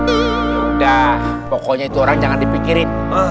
udah pokoknya itu orang jangan dipikirin